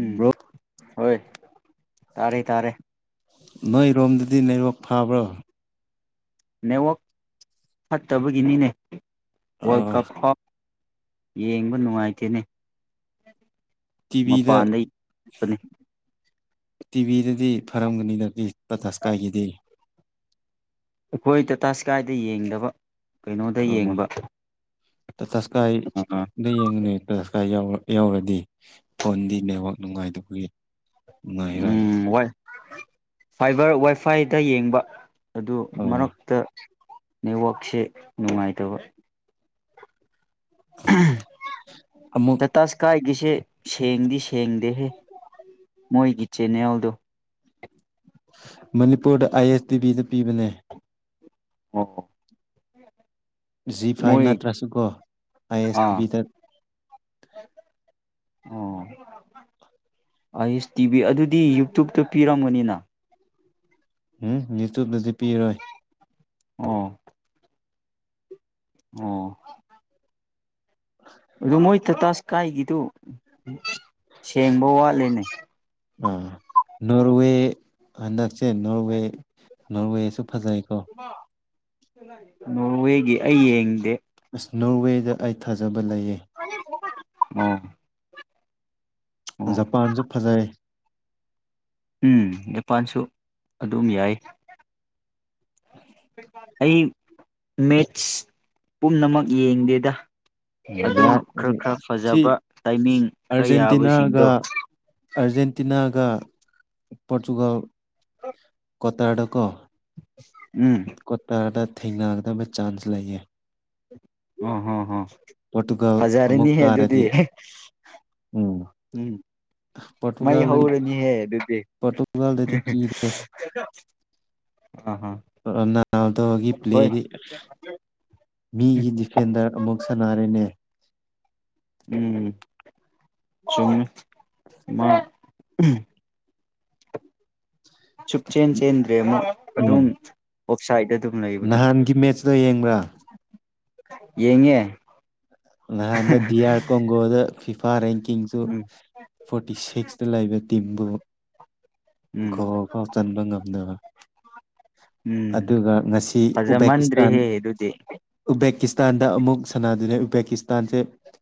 ꯎꯝ ꯍꯣꯏ ꯇꯥꯔꯦ ꯇꯥꯔꯦ꯫ ꯅꯣꯏꯔꯣꯝꯗꯗꯤ ꯅꯦꯋꯛ ꯐꯥꯕ꯭ꯔꯣ꯫ ꯅꯦꯠꯋꯛ ꯐꯠꯇꯕꯒꯤꯅꯤꯅꯦ꯫ ꯋꯥꯔꯜꯗ ꯀꯞ ꯐꯥꯎ꯫ ꯌꯦꯡꯕ ꯅꯨꯡꯉꯥꯏꯇꯦꯅꯦ꯫ ꯇꯤꯚꯤꯗ꯫ ꯃꯄꯥꯟꯗ ꯌꯦꯡꯕꯅꯦ ꯇꯤꯚꯤꯗꯗꯤ ꯐꯔꯝꯒꯅꯤꯗꯗꯤ ꯇꯇꯥ ꯁ꯭ꯀꯥꯏꯒꯤꯗꯤ꯫ ꯑꯩꯈꯣꯏ ꯇꯥꯇꯥ ꯏꯁ꯭ꯀꯥꯏꯗ ꯌꯦꯡꯗꯕ꯫ ꯀꯩꯅꯣꯗ [unintelligible] ꯌꯦꯡꯕ ꯇꯥꯁ꯭ꯀꯥꯏꯗ ꯌꯦꯉꯨꯅꯦ ꯇꯥꯁ ꯀ ꯌꯥꯎꯔꯗꯤ꯫ ꯐꯣꯟꯗꯤ ꯅꯦꯠꯋꯥꯛ ꯅꯨꯡꯉꯥꯏꯗꯕꯒꯤ꯫ [unintelligible] ꯐꯥꯏꯕ꯭ꯔ ꯋꯥꯏꯐꯥꯏꯗ ꯌꯦꯡꯕ꯫ ꯑꯗꯨ ꯑꯣ ꯃꯔꯛꯇ꯫ ꯅꯦꯠꯋꯥꯛꯁꯦ ꯅꯨꯡꯉꯥꯏꯇꯕ꯫ ꯎꯝ ꯑꯃꯨꯛ ꯇꯇꯥꯁ꯭ꯀꯥꯏ꯫ ꯁꯦ꯫ ꯁꯦꯡꯗꯤ ꯁꯦꯡꯗꯦꯍꯦ ꯃꯣꯏꯒꯤ ꯆꯦꯅꯦꯜ꯫ [inaudible] ꯃꯅꯤꯄꯨꯔꯗ ꯑꯥꯏ ꯑꯦꯁ ꯇꯤ ꯚꯤꯗ ꯄꯤꯕꯅꯦ꯫ [inaudible] ꯖꯤ ꯐꯥꯏꯚ ꯃꯣꯏ ꯅꯠꯇ꯭ꯔꯁꯨ ꯀꯣ ꯑꯥꯏ ꯑꯦꯁ ꯑꯥ ꯇꯤꯚꯤꯗ꯫ ꯑꯣ ꯑꯥꯏ꯭ꯁ ꯇꯤꯚꯤ ꯑꯗꯨꯗꯤ ꯌꯨꯇꯨꯕꯇ ꯄꯤꯔꯝꯒꯅꯤꯅ꯫ ꯎꯝ ꯌꯨꯇꯨꯕꯇꯗꯤ ꯄꯤꯔꯣꯏ꯫ ꯑꯣ꯫ ꯑꯣ꯫ ꯀꯥꯏꯒꯤꯗꯨ ꯁꯦꯡꯕ ꯋꯥꯠꯂꯤꯅꯦ꯫ ꯑꯥ ꯅꯣꯔꯋꯦ ꯍꯟꯗꯛꯆꯦ ꯅꯣꯔꯋꯦ ꯅꯣꯔꯋꯦꯁꯨ꯫ ꯐꯖꯩꯀꯣ꯫ ꯅꯣꯔꯋꯦꯒꯤ ꯑꯩ ꯌꯦꯡꯗꯦ꯫ ꯑꯁ ꯅꯣꯔꯋꯦꯗ ꯑꯩ ꯊꯥꯖꯕ ꯂꯩꯌꯦ꯫ ꯑꯣ꯫ ꯑꯣ ꯖꯄꯥꯟꯁꯨ ꯐꯖꯩ꯫ ꯎꯝ ꯅꯤꯄꯥꯜꯁꯨ ꯑꯗꯨꯝ ꯌꯥꯏ ꯑꯩ ꯃꯦꯠꯁ ꯄꯨꯝꯅꯃꯛ ꯌꯦꯡꯗꯦꯗ ꯎꯝ ꯑꯗꯨꯝ ꯌꯥꯏ ꯈꯔ ꯈꯔ ꯁꯤ ꯐꯖꯕ ꯇꯥꯏꯃꯤꯡ ꯈꯔ ꯑꯔꯖꯦꯟꯇꯤꯅꯥꯒ ꯌꯥꯕꯁꯤꯡꯗꯣ ꯑꯔꯖꯦꯟꯇꯤꯅꯥꯒ ꯄꯣꯔꯆꯨꯒꯜ [unintelligible] ꯀꯇꯥꯔꯀ ꯎꯝ ꯀꯠꯇ ꯍꯥ ꯇ ꯊꯦꯡꯅꯒꯗꯕ ꯆꯥꯟꯁ ꯂꯩꯌꯦ ꯎꯝ ꯍꯝꯝ ꯄꯣꯔꯇꯨꯒꯜ ꯍꯖꯔꯅꯤ ꯑꯃꯨꯛ ꯍꯥꯏꯦ ꯑꯗꯨꯗꯤ ꯀꯥꯔꯗꯤ ꯎꯝ ꯎꯝ ꯃꯩ ꯄꯣꯔꯇꯨꯒꯥꯜꯗꯗꯤ ꯍꯧꯔꯅꯤꯍꯦ ꯑꯗꯨꯗꯤ ꯄꯣꯔꯇꯨꯒꯥꯜꯗꯗꯤ ꯀꯤꯗꯦ ꯑ ꯅꯥꯎꯗꯕꯒꯤ ꯄ꯭ꯂꯦꯗꯤ ꯃꯤꯒꯤ ꯗꯤꯐꯦꯟꯗꯔ ꯑꯃꯨꯛ ꯁꯥꯟꯅꯔꯦꯅꯦ ꯎꯝ ꯁꯨꯝ [unintelligible] ꯎꯝ ꯆꯨꯞ ꯆꯦꯟ ꯆꯦꯟꯗ꯭ꯔꯦ ꯑꯃ ꯎꯝ ꯑꯗꯨꯝ ꯑꯣꯐꯁꯥꯏꯦ ꯅꯍꯥꯟꯒꯤ ꯃꯦꯠꯆꯇꯣ ꯌꯦꯡꯕ꯭ꯔꯥ ꯌꯦꯡꯉꯦ ꯅꯍꯗ ꯗꯤꯌꯥꯀꯣ ꯍꯗ ꯐꯤꯐꯥꯟ ꯁꯨ ꯎꯝ ꯐꯣꯔꯇꯤ ꯁꯤꯛꯁꯇ ꯂꯩꯕ ꯇꯤꯝꯕꯨ ꯎꯝ ꯒꯣꯋꯥ ꯐꯥꯎ ꯆꯟꯕ ꯉꯝꯅꯕ ꯎꯝ ꯑꯗꯨꯒ ꯉꯁꯤ ꯐꯖꯃꯟꯗ꯭ꯔꯦꯍꯦ ꯑꯗꯨꯗꯤ ꯎꯕꯦꯀꯤꯁꯇꯥꯟꯁ ꯇꯥꯟꯗ ꯑꯃꯨꯛ ꯁꯥꯟꯅꯥꯗꯨꯅ ꯄꯀꯤꯁꯇꯥꯟꯁꯦ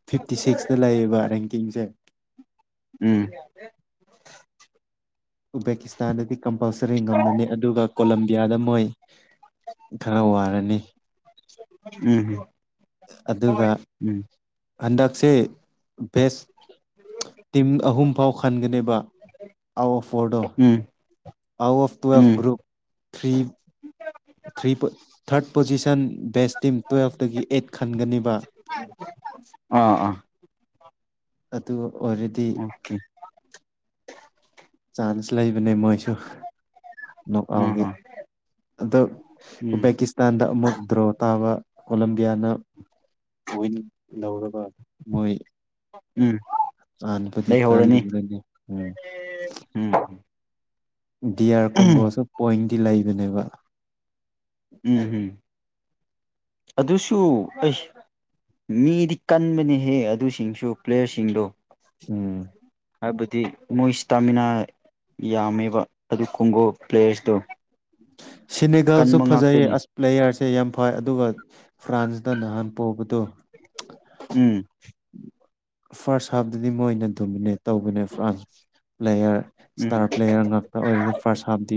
ꯐꯤꯐꯇꯤ ꯁꯤꯛꯁꯇ ꯂꯩꯌꯦꯕ ꯔꯦꯡꯀꯤꯡꯁꯦ ꯎꯝ ꯎꯕꯕꯦꯀꯤꯁꯇꯥꯟꯗꯗꯤ ꯀꯝꯄꯜꯁꯔꯤ ꯉꯝꯂꯅꯤ ꯑꯗꯨꯒ ꯀꯣꯂꯝꯕꯤꯌꯥꯗ ꯃꯣꯏ ꯈꯔ ꯋꯥꯔꯅꯤ [unintelligible] ꯎꯝꯝ ꯍꯣꯏ ꯑꯗꯨꯒ ꯎꯝ ꯍꯟꯗꯛꯁꯦ ꯕꯦꯁ ꯇꯤꯝ ꯑꯍꯨꯝ ꯐꯥꯎ ꯈꯟꯒꯅꯦꯕ out of ꯑꯣꯔꯗꯣ um out of twelve um group three three third position ꯦꯁ ꯇꯤꯝ ꯇꯨꯋꯦꯜꯐꯇꯒꯤ ꯑꯩꯠ ꯈꯟꯒꯅꯦꯕ ꯑꯥ ꯑꯥ ꯑꯗꯨ ꯑꯗꯨ ꯑꯣꯏꯗꯤ ꯑꯣꯀꯦ ꯆꯥꯟꯁ ꯂ ꯂꯩ ꯑꯗꯨꯩ ꯃꯣꯏꯁꯨ ꯑꯥ ꯅꯣꯛꯥꯎꯒꯤ ꯑꯥ ꯑꯗꯣ ꯎꯝ ꯎꯕꯦꯀꯤꯁꯇꯥꯟꯗ ꯃꯨꯛꯗ꯭ꯔꯣ ꯇꯕ ꯀꯣꯂꯦꯝꯂꯝ ꯭ꯌꯥꯅ ꯑꯣꯏꯅꯟ ꯂꯧꯔꯒ ꯃꯣꯏ ꯎꯝ ꯑꯅꯄ ꯂꯩꯍꯧꯔꯅꯤ ꯀꯔꯔꯅꯤ ꯎꯝ ꯎꯝ ꯗꯤꯌꯔ ꯎꯝ ꯀꯣꯡꯒꯣꯁ ꯄꯣꯏ ꯁꯤ ꯂꯩꯕꯅꯦꯕ ꯎꯝ ꯎꯝ ꯑꯗꯨꯁꯨ ꯑꯩ ꯃꯤꯗꯤ ꯀꯟꯕꯅꯦꯍꯦ ꯑꯗꯨꯁꯤꯡꯁꯨ ꯄ꯭ꯂꯦꯌꯔꯁꯤꯡꯗꯣ ꯎꯝ ꯍꯥꯏꯕꯗꯤ ꯃꯣꯏ ꯏꯁꯇꯥꯃꯤꯅꯥ ꯌꯥꯝꯃꯦꯕ ꯑꯗꯨ ꯀꯣꯡꯒꯣ ꯄ꯭ꯂꯦꯌꯔꯁꯤꯗꯣ ꯎ ꯁꯤꯅꯦꯒꯜꯁꯨ ꯐꯖꯩ ꯑꯁ ꯄ꯭ꯂꯦꯌꯥꯔꯁꯦ ꯌꯥꯝ ꯐꯩ ꯑꯗꯨꯒ ꯐ꯭ꯔꯥꯟꯁꯗ ꯅꯍꯥꯟ ꯄꯣꯕ ꯇꯣ ꯎꯝ ꯐꯥꯔꯁ ꯍꯥꯐꯇꯗꯤ ꯃꯣꯏꯅ ꯗꯣꯃꯤꯅꯦꯠ ꯇꯧꯕꯅꯦ France player um star player ꯉꯥꯛꯇ ꯑꯣꯏꯔꯤꯅꯤ ꯐꯥꯔꯁ ꯍꯥꯐꯇꯗꯤ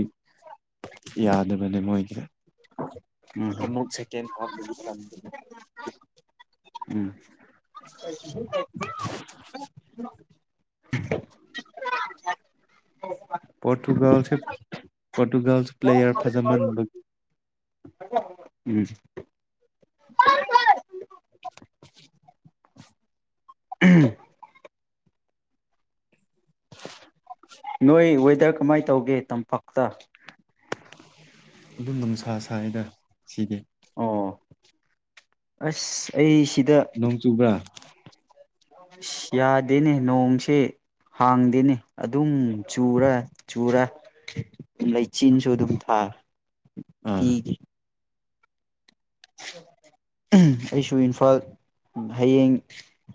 ꯌꯥꯗꯕ ꯃꯅꯦ ꯃꯣꯏꯒꯦ ꯎꯝ ꯑꯃꯨꯛ ꯁꯦꯀꯦꯟ ꯍꯥꯐꯗꯒꯤ ꯆꯟꯒꯅꯤ ꯎꯝ [unintelligible] ꯄꯣꯣꯔꯇꯨꯒꯜ ꯄꯣꯔꯇꯨꯒꯜ ꯄ꯭ꯂꯦꯌꯔ ꯐꯥꯖꯃꯟꯕ ꯎꯝ [unintelligible] ꯎꯝ ꯅꯣꯏ ꯋꯦꯗꯔ ꯀꯃꯥꯏꯅ ꯇꯧꯒꯦ ꯇꯝꯄꯥꯛꯛꯇ ꯑꯗꯨꯝ ꯅꯨꯡꯁꯥ ꯁꯥꯏꯗ ꯁꯤꯗꯤ ꯑꯣ ꯑꯁ ꯑꯩ ꯁꯤꯗ ꯅꯣꯡ ꯆꯨꯕ꯭ꯔꯥ ꯌꯥꯗꯦꯅꯦ ꯅꯣꯡꯁꯦ ꯍꯥꯡꯗꯦꯅꯦ ꯑꯗꯨꯝ ꯆꯨꯔ ꯆꯨꯔ ꯂꯩꯆꯤꯟꯁꯨ ꯑꯗꯨꯝ ꯊꯥ ꯊ ꯑꯥ ꯑꯩꯁꯨ ꯏꯝꯐꯥꯜ ꯍꯌꯦꯡ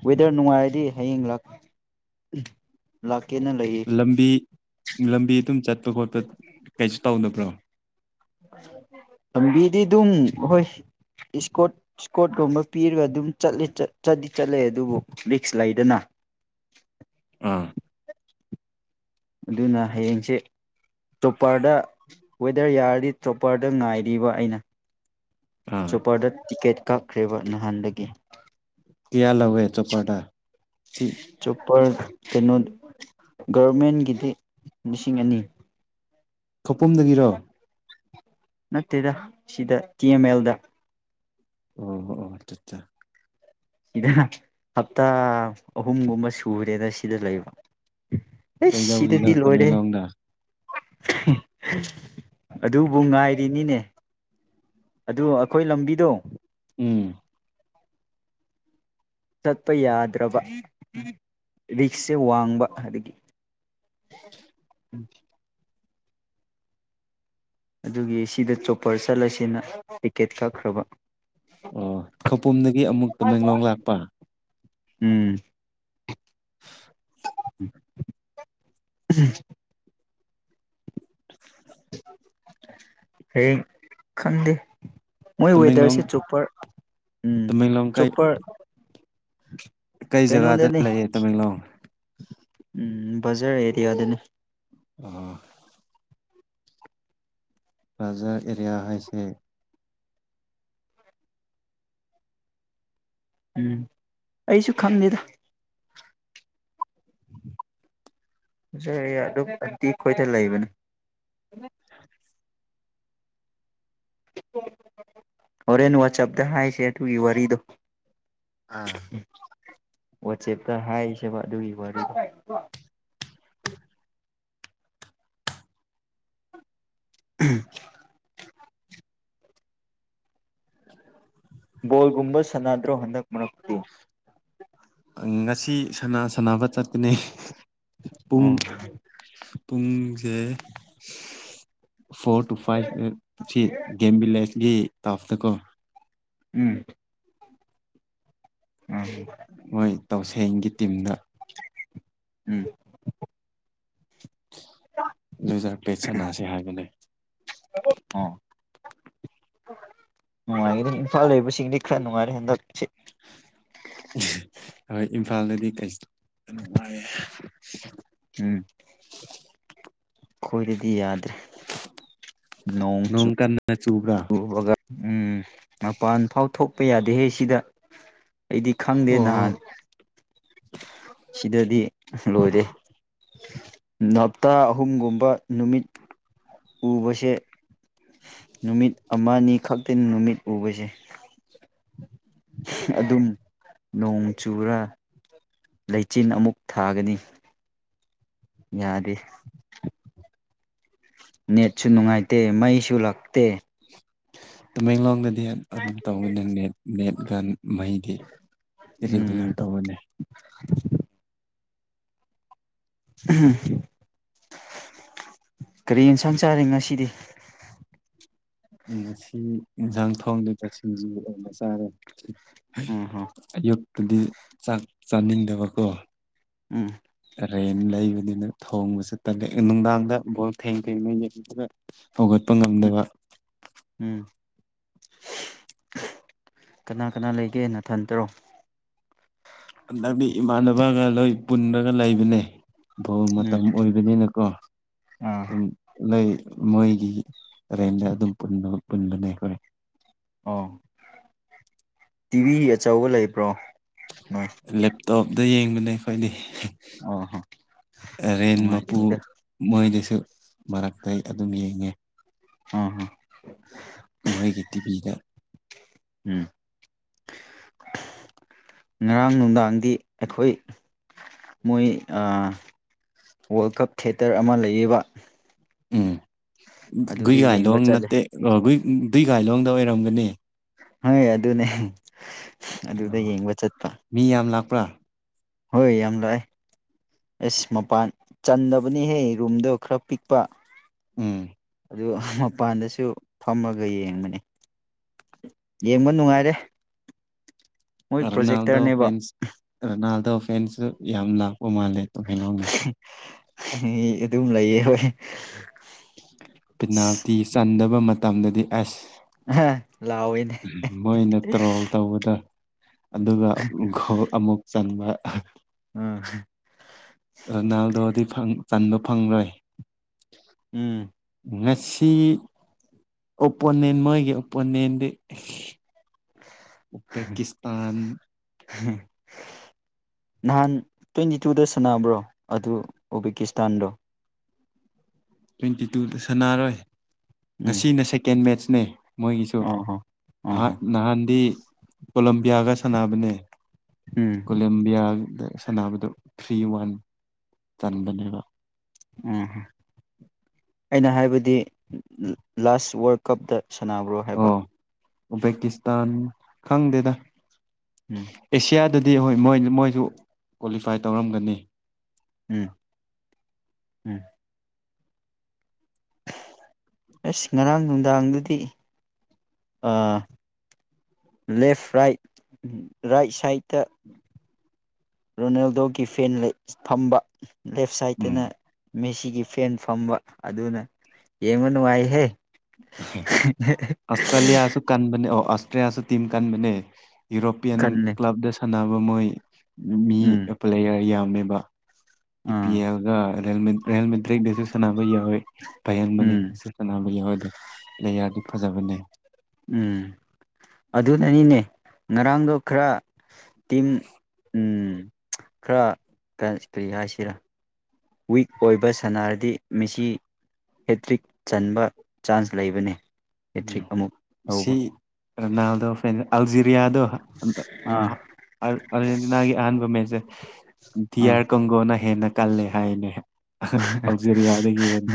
ꯋꯦꯗꯔ ꯅꯨꯡꯉꯥꯏꯔꯗꯤ ꯍꯌꯦꯡ ꯀꯦꯅ ꯂꯩꯌꯦ ꯂꯝꯕꯤ ꯂꯝꯕꯤ ꯑꯗꯨꯝ ꯆꯠꯄ ꯈꯣꯠꯄ ꯀꯩꯁꯨ ꯇꯧꯗꯅꯕ꯭ꯔꯣ ꯂꯝꯕꯤꯗꯤ ꯑꯗꯨꯝ ꯍꯣꯏ ꯏꯁꯀꯣꯔ ꯏꯁꯀꯣꯔꯠꯀꯨꯝꯕ ꯄꯤꯔꯒ ꯑꯗꯨꯝꯠꯂ ꯆꯠꯗꯤ ꯆꯠꯂꯦ ꯑꯗꯨꯕꯨ ꯔꯤꯛꯁ ꯂꯩꯗꯅ ꯑꯥ ꯑꯗꯨꯅ ꯍꯌꯦꯡꯁꯦ ꯇꯣꯞꯄꯔꯗ ꯋꯦꯗꯔ ꯌꯥꯔꯗꯤ ꯇ꯭ꯔꯣꯞꯄꯔꯗ ꯉꯥꯏꯔꯤꯕ ꯑꯩꯅ ꯑꯥ ꯆꯣꯄꯔꯗ ꯇꯤꯀꯦꯠ ꯀꯛ ꯈꯔꯦꯕ ꯅꯍꯥꯟꯗꯒꯤ ꯀꯌꯥ ꯂꯧꯋꯦ ꯆꯣꯄꯔꯗꯥ ꯆꯣꯄꯔ ꯀꯩꯅꯣ ꯒꯔꯃꯦꯟꯒꯤꯗꯤ ꯂꯤꯁꯤꯡ ꯑꯅꯤ ꯀꯄꯨꯝꯗꯒꯤꯔꯣ ꯅꯠꯇꯦꯗ ꯁꯤꯗ ꯇꯤ ꯑꯦꯝ ꯑꯦꯜꯗ ꯑꯣ ꯑꯣꯠꯆꯥ ꯁꯤꯗ ꯍꯞꯇꯥ ꯑꯍꯨꯝꯒꯨꯝꯕ ꯁꯨꯔꯦꯅ ꯁꯤꯗ ꯂꯩꯕ ꯑꯦ ꯀꯩꯗꯧꯔꯤꯅꯣ ꯁꯤꯗꯗꯤ ꯂꯣꯏꯔꯦ ꯇꯃꯦꯡꯂꯣꯡꯗ ꯑꯗꯨꯕꯨ ꯉꯥꯏꯔꯤꯅꯤꯅꯦ ꯑꯗꯨ ꯑꯩꯈꯣꯏ ꯂꯝꯕꯤꯗꯣ ꯎꯝ ꯆꯠꯄ ꯌꯥꯗ꯭ꯔꯕ ꯔꯤꯛꯁꯁꯦ ꯋꯥꯡꯕ ꯑꯗꯒꯤ ꯑꯗꯨꯒꯤ ꯁꯤꯗ ꯆꯣꯄꯔ ꯆꯠꯂꯁꯤꯅ ꯇꯤꯀꯦꯠ ꯀꯛꯈ꯭ꯔꯕ ꯑꯣ ꯈꯧꯄꯨꯝꯗꯒꯤ ꯑꯃꯨꯛ ꯇꯃꯦꯡꯂꯣꯡ ꯂꯥꯛꯄ ꯎꯝ [inaudible] [unintelligible] ꯍꯩꯌꯦꯡ ꯈꯪꯗꯦ ꯃꯣꯏ ꯇꯃꯦꯡꯂꯣꯡ ꯋꯦꯗꯔꯁꯦ ꯆꯣꯄꯔ ꯎꯝ ꯇꯃꯦꯡꯂꯣꯡ ꯀꯩ ꯆꯣꯄꯔ ꯀꯩ ꯖꯒꯥꯗ ꯂꯩꯌꯦ ꯇꯃꯦꯡꯂꯣꯡ ꯎꯝ ꯕꯖꯥꯔ ꯑꯦꯔꯤꯌꯥꯗꯅꯤ ꯑꯣ ꯕꯖꯥꯔ ꯑꯦꯔꯤꯌꯥ ꯍꯥꯏꯁꯦ ꯎꯝ ꯑꯩꯁꯨ ꯈꯪꯗꯦꯗ ꯕꯖꯥꯔ ꯑꯦꯔꯤꯌꯥ ꯑꯗꯨ ꯑꯟꯇꯤ ꯈꯣꯏꯗ ꯂꯩꯕꯅꯤ ꯍꯣꯔꯦꯟ ꯋꯥꯆꯞꯗ ꯍꯥꯏꯁꯦ ꯑꯗꯨꯒꯤ ꯋꯥꯔꯤꯗꯣ ꯑꯥ ꯋꯥꯆꯦꯞꯇ ꯍꯥꯏꯁꯦꯕ ꯑꯗꯨꯒꯤ ꯋꯥꯔꯤꯗꯣ ꯎꯝ ꯕꯣꯜꯒꯨꯝꯕ ꯁꯥꯟꯅꯗ꯭ꯔꯣ ꯍꯟꯗꯛ ꯃꯛꯄꯨ ꯉꯁꯤ ꯁꯅꯥ ꯁꯥꯟꯅꯕ ꯆꯠꯀꯅꯤ ꯄꯨꯡ ꯑꯣ ꯄꯨꯡꯁꯦ ꯐꯣꯔꯣꯔ ꯇꯨ ꯐꯥꯏꯚ ꯒꯝꯕꯤ ꯂꯩ ꯒꯤ ꯇꯥꯞꯇꯀꯣ ꯎꯝ ꯎꯝ ꯃꯣꯏ ꯇꯧꯁꯦꯡꯒꯤ ꯇꯤꯝꯅ ꯎꯝ ꯂꯣꯏꯖꯥꯛꯄꯦꯠ ꯁꯥꯟꯅꯁꯤ ꯍꯥꯏꯕꯅꯦ ꯅꯨꯡꯉꯥꯏꯒꯗꯅꯤ ꯏꯝꯐꯥꯜ ꯂꯩꯕꯁꯤꯡꯗꯤ ꯈꯔ ꯅꯨꯡꯉꯥꯏꯔꯦ ꯍꯟꯗꯛ ꯍꯣꯏ ꯏꯝꯐꯥꯜꯗꯗꯤ ꯀꯩꯁꯨ ꯅꯨꯡꯉꯥꯏꯌꯦ ꯈꯣꯏꯗꯗꯤ ꯌꯥꯗ꯭ꯔꯦ [unintelligible] ꯅꯣꯡ ꯆꯨ ꯅꯪ ꯆꯨꯕ꯭ꯔꯥ ꯎꯝ ꯃꯄꯥꯟ ꯐꯥꯎ ꯊꯣꯛꯄ ꯌꯥꯗꯦꯍꯦ ꯁꯤꯗ ꯑꯩꯗꯤ ꯈꯪꯗꯦ ꯅꯍꯥꯟ ꯑꯣ ꯁꯤꯗꯗꯤ ꯂꯣꯏꯔꯦ ꯍꯞꯇꯥ ꯑꯍꯨꯝꯒꯨꯝꯕ ꯅꯨꯃꯤꯠ ꯎꯕꯁꯦ ꯅꯨꯃꯤꯠ ꯑꯃꯅꯤꯅꯤ ꯈꯛꯇꯅꯤ ꯅꯨꯃꯤꯠ ꯎꯕꯁꯦ ꯑꯗꯨꯝ ꯅꯣꯡ ꯆꯨꯔ ꯂꯩꯆꯤꯟ ꯑꯃꯨꯛ ꯊꯥꯒꯅꯤ ꯌꯥꯗꯤꯦ ꯅꯦꯠꯁꯨ ꯅꯨꯡꯉꯥꯏꯇꯦ ꯃꯩꯁꯨ ꯂꯥꯛꯇꯦ ꯇꯃꯦꯡꯂꯣꯡꯗꯗꯤ ꯑꯗꯨꯝ ꯇꯧꯕꯒꯅꯤ ꯅꯦꯠ ꯅꯦꯠꯀꯥꯟ ꯃꯩꯗꯤ ꯎꯝ ꯏꯔꯤꯒꯨꯂꯔ ꯇꯧꯒꯅꯤ ꯀꯔꯤ ꯌꯦꯟꯁꯥꯡ ꯆꯥꯔꯤ ꯉꯁꯤꯗꯤ ꯉꯁꯤ ꯏꯟꯖꯥꯡ ꯊꯣꯡꯂꯤꯕ ꯁꯤꯡꯖꯨ ꯑꯣꯏꯅ ꯆꯥꯔꯦ ꯎꯝ ꯍꯣ ꯑꯥꯌꯨꯛ ꯇꯗꯤ ꯆꯥꯛ ꯆꯥꯅꯤꯡꯗꯕꯀꯣ ꯎꯝ ꯇꯦꯟ ꯂꯩꯕꯅꯤꯅ ꯊꯣꯡꯕꯁꯨ ꯇꯠ ꯅꯨꯡꯗꯥꯡꯗ ꯕꯣꯜ ꯊꯦꯡ ꯊꯦꯡꯅꯩ ꯌꯦꯡꯒ ꯍꯧꯒꯠꯄ ꯎꯝ ꯉꯝꯗꯕ ꯎꯝ ꯀꯅꯥ ꯀꯅꯥ ꯂꯩꯒꯦꯅ ꯈꯟꯠꯇꯔꯣ ꯗꯤ ꯏꯃꯥꯟꯅꯕꯒ ꯂꯣꯏ ꯄꯨꯟꯔꯒꯥ ꯂꯩꯕꯅꯦ ꯧ ꯎꯝ ꯃꯇꯝ ꯑꯣꯏꯕꯅꯤꯅꯀꯣ ꯑꯥ ꯑꯗꯨꯝ ꯂꯩ ꯃꯣꯏꯒꯤ ꯔ ꯑꯗꯨꯝ ꯄꯨ ꯄꯨꯟꯕꯅꯦ ꯑꯩꯈꯣꯏ ꯑ ꯇꯤꯚꯤ ꯑꯆꯧꯕ ꯂꯩꯕ꯭ꯔꯣ ꯅꯣꯏ ꯇꯣꯞꯇ ꯌꯦꯡ ꯕꯅꯦ ꯑꯩꯈꯣꯏꯗꯤ ꯑꯣ ꯍꯣ ꯔꯦꯟ ꯃꯄꯨ ꯅꯨꯡꯉꯥꯏꯒꯅꯤꯗ ꯃꯣꯏꯗꯁꯨ ꯃꯔꯛꯇ ꯑꯩ ꯑꯗꯨꯝ ꯌꯦꯡꯉꯦ ꯑꯣꯍꯣ ꯃꯣꯏꯒꯤ ꯇꯤꯕꯤꯗ ꯎꯝ ꯉꯔꯥꯡ ꯅꯨꯡꯗꯥꯡꯗꯤ ꯑꯩꯈꯣꯏ ꯃꯣꯏ ꯋꯥꯔꯜ ꯀꯞ ꯊꯦꯇꯔ ꯑꯃ ꯂꯩꯌꯦꯕ ꯎꯝ ꯑꯗꯨꯗ ꯒꯨꯏꯒꯥꯏ ꯂꯣ ꯌꯦꯡꯕ ꯆꯠꯂꯦ ꯅꯠꯇꯦꯏ ꯕꯤꯒꯥꯏꯂꯣꯡꯗ ꯑꯣꯏꯔꯝꯒꯅꯤ ꯍꯣꯏ ꯑꯗꯨꯅꯦ ꯑꯗꯨꯗ ꯌꯦꯡꯕ ꯆꯠꯄ ꯄ꯭ꯔꯥ ꯍꯣꯏ ꯌꯥꯝ ꯂꯥꯛꯑꯦ ꯑꯁ ꯃꯄꯥꯟ ꯆꯟꯗꯕꯅꯤꯍꯦ ꯔꯨꯝꯗꯣ ꯈꯔ ꯄꯤꯛꯄ ꯎꯝ ꯑꯗꯨ ꯃꯄꯥꯟꯗꯁꯨ ꯐꯝꯃꯒ ꯌꯦꯡꯕꯅꯤ ꯌꯦꯡꯕ ꯅꯨꯡꯉꯥ ꯏꯔꯦ ꯔꯣꯅꯥꯜꯗꯣ ꯐꯦꯟꯁ ꯔꯣꯅꯥꯜꯗꯣ ꯐꯦꯟꯁ ꯌꯥꯝꯂ ꯄ ꯃꯥꯜꯂꯦ ꯇꯨꯍ ꯂꯣꯒꯦꯁ ꯑꯗꯨꯝ ꯂꯩꯌꯦ ꯍꯣꯏ ꯄꯤꯅꯥꯜꯇꯤ ꯆꯟꯗꯕ ꯃꯇꯝꯗꯗꯤ ꯑꯁ ꯑꯍꯥ ꯃꯣꯏꯅ ꯇ꯭ꯔꯣꯜ ꯇꯧꯕꯗ ꯎꯝ ꯑꯗꯨꯒ ꯒꯣꯜ ꯑꯃꯨꯛ ꯆꯟꯕ [inaudible] ꯎꯝ ꯔꯣꯅꯥꯜ ꯗꯣꯗꯤ ꯐꯪ ꯆꯟꯕ ꯐꯪ ꯂꯣꯏ ꯎꯝ ꯉꯁꯤ ꯑꯣꯄꯣꯅꯦꯟ ꯃꯣꯏꯒꯤ ꯑꯣꯄꯣꯅꯦꯟꯗꯤ ꯎꯕꯦꯀꯤ ꯁꯇꯥꯟ ꯅꯍꯥꯟ ꯇ꯭ꯋꯦꯟꯇꯤ ꯇꯨꯗ ꯁꯥꯟꯅꯕ꯭ꯔꯣ ꯑꯗꯨ ꯎꯕꯦꯀꯤꯁꯇꯥꯟꯗꯣ ꯇ꯭ꯋꯦꯟꯇꯤ ꯇꯨꯗ ꯁꯥꯟꯅꯔꯣꯏ ꯎꯝ ꯉꯁꯤꯅ ꯁꯦ ꯀꯦꯟ ꯃꯦꯠꯆ ꯅꯦ ꯃꯣꯏꯒꯤꯁꯨ ꯑꯣ ꯍꯣ ꯑꯣ ꯍꯣ ꯅꯍꯥꯟꯗꯤ ꯄꯣꯂꯝ ꯒ ꯁꯅꯥꯕꯅꯦ ꯎꯝ ꯀꯣꯂꯦꯝꯂꯝꯕꯤꯌꯥ ꯑꯗ ꯁꯥꯟꯅꯕꯗꯨ ꯊ꯭ꯔꯤ ꯋꯥꯟ ꯇꯟꯥꯟꯕꯅꯦꯕ ꯎꯝ ꯑꯩꯅ ꯍꯥꯏꯕ ꯍꯥꯏꯕꯗꯤ ꯂꯥꯁ ꯋꯥꯔꯜ ꯀꯞꯇ ꯁꯅꯥꯕ꯭ꯔꯣ ꯍꯥꯏꯕ ꯑꯣ ꯎꯕꯦꯀꯤꯁꯇꯥꯟ ꯈꯪꯗꯦꯗ ꯎꯝ ꯑꯦꯁꯤꯌꯥꯗ ꯑꯗꯨꯗꯤ ꯍꯣꯏ ꯃꯣꯏ ꯃꯣꯏꯁꯨ ꯀ꯭ꯋꯥꯂꯤꯐꯥꯏ ꯇꯧꯔꯝꯒꯅꯤ ꯎꯝ ꯎꯝ ꯑꯁ ꯉꯔꯥꯡ ꯅꯨꯡꯗꯥꯡꯗꯨꯗꯤ ꯂꯦꯐ ꯔꯥꯏꯠ ꯔꯥꯏꯠ ꯁꯥꯏꯠꯇ ꯔꯣꯅꯥꯜꯗꯣꯒꯤ ꯐꯦꯟ ꯊꯝꯕ ꯂꯦꯐ ꯁꯥꯏꯠꯇꯅ ꯎꯝ ꯃꯦꯁꯤꯒꯤ ꯁꯦꯟ ꯐꯝꯕ ꯑꯗꯨꯅ ꯌꯦꯡꯕ ꯅꯨꯡꯉꯥꯏꯍꯦ ꯑꯁꯇ꯭ꯔꯂꯤꯌꯥꯌꯥ ꯑꯁꯨ ꯀꯥꯟꯕꯥꯅꯤ ꯑꯣ ꯦꯁ ꯇꯝ ꯀꯥꯟ ꯃ ꯌꯨꯔꯣꯄꯤꯌꯥꯟ ꯈꯜꯂꯦ ꯀ꯭ꯂꯕꯗ ꯁ ꯅꯕ ꯃꯣꯏ ꯃꯤ ꯎꯝ ꯄ ꯂꯩꯔ ꯌꯥꯝ ꯕ ꯏ ꯄꯤ ꯑꯥ ꯑꯦꯜꯒ ꯍꯦꯜꯃꯦ ꯍꯦꯜꯃꯦꯠ ꯕ꯭ꯔꯦꯛꯇꯁꯨ ꯁꯥꯟꯅꯕ ꯌꯥꯎꯋꯦ ꯎꯝ ꯄꯌꯦꯡꯕꯅꯦꯗꯁꯨ ꯁꯥꯟꯅꯕ ꯌꯥꯎꯋꯦ ꯑꯗꯨ ꯂꯩꯌꯥꯔꯗꯤ ꯐꯖꯕꯅꯦ ꯎꯝ ꯑꯗꯨꯅꯅꯤꯅꯦ ꯉꯔꯥꯡꯗꯣ ꯈꯔ ꯇꯤꯝ ꯎꯝ ꯈꯔ ꯀꯔꯤ ꯍꯥꯏꯁꯤꯔꯥ ꯋꯤꯛ ꯑꯣꯏꯕ ꯁꯅꯥꯔꯗꯤ ꯃꯤꯁꯤ ꯍꯦꯇ꯭ꯔꯤꯛ ꯆꯟꯕ ꯆꯥꯟꯁ ꯂꯩꯕꯅꯤ ꯝ ꯁꯤ ꯔꯅꯜꯗꯣ ꯐ ꯑꯜꯖꯤ ꯀ꯭ꯔꯤꯌꯥꯗꯣ ꯑꯥ ꯑꯔꯖꯦꯟꯇꯤꯅꯥꯒꯤ ꯑꯍꯥꯟꯕ ꯃꯦꯠꯁꯦ ꯑꯥ ꯗꯤꯌꯥꯔ ꯀꯣꯡꯒꯣꯅ ꯍꯦꯟꯅ ꯀꯜꯂ ꯍꯥꯏꯅꯦ ꯍꯥꯏ ꯑꯥꯎꯖꯔꯤꯌꯥꯗꯒꯤ